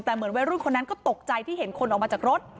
แต่เหมือนวัยรุ่นคนนั้นก็ตกใจที่เห็นคนออกมาจากรถ